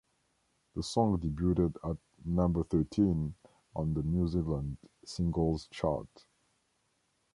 The song debuted at number thirteen on the New Zealand Singles Chart.